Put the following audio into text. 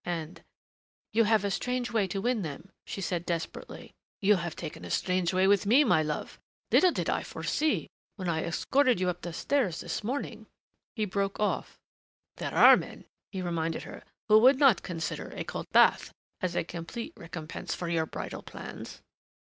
And " "You have a strange way to win them," she said desperately. "You have taken a strange way with me, my love! Little did I foresee, when I escorted you up the stairs this morning " He broke off. "There are men," he reminded her, "who would not consider a cold bath as a complete recompense for your bridal plans."